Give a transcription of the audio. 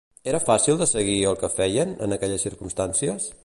Era fàcil de seguir el que feien, en aquelles circumstàncies?